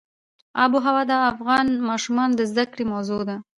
آب وهوا د افغان ماشومانو د زده کړې موضوع ده.